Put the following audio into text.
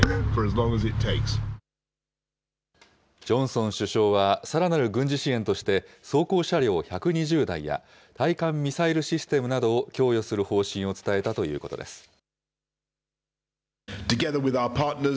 ジョンソン首相はさらなる軍事支援として、装甲車両１２０台や、対艦ミサイルシステムなどを供与する方針を伝えたということです。